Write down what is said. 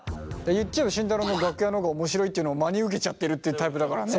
言っちゃえば慎太郎の楽屋の方がおもしろいっていうのを真に受けちゃってるっていうタイプだからね。